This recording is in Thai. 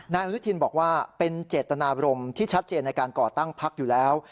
นายอนุทินบอกว่าเป็นเจตนาบรมที่ชัดเจนในการก่อตั้งพักอยู่แล้ว